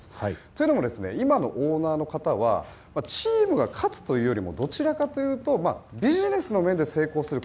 というのも、今のオーナーの方はチームが勝つというよりもどちらかというとビジネスの面で成功する。